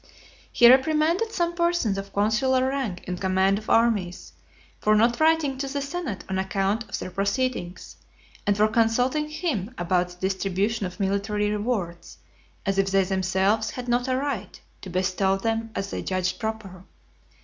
(213) XXXII. He reprimanded some persons of consular rank in command of armies, for not writing to the senate an account of their proceedings, and for consulting him about the distribution of military rewards; as if they themselves had not a right to bestow them as they judged proper.